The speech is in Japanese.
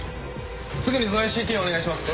すぐに造影ＣＴをお願いします。